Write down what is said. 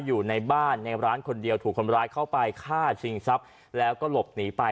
อยู่ในบ้านในร้านคนเดียวถูกคนร้ายเข้าไปฆ่าชิงทรัพย์แล้วก็หลบหนีไป